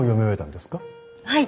はい。